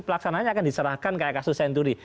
pelaksananya akan diserahkan kayak kasus senturi